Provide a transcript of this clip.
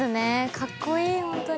かっこいい本当に。